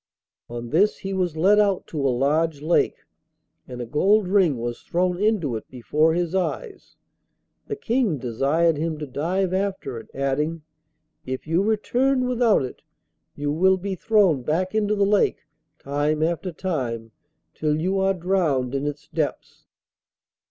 On this he was led out to a large lake, and a gold ring was thrown into it before his eyes. The King desired him to dive after it, adding, 'If you return without it you will be thrown back into the lake time after time, till you are drowned in its depths.